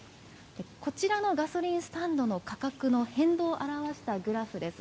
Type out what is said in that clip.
こちらのガソリンスタンドの価格の変動を表したグラフです。